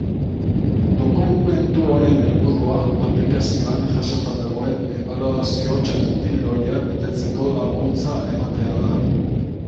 Dokumentu honen helburua aplikazioan jasota dagoen ebaluazio txantiloia betetzeko laguntza ematea da.